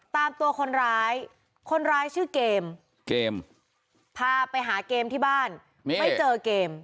ตามตัวคนร้ายคนร้ายชื่อเกมเกมพาไปหาเกมที่บ้านไม่เจอเกม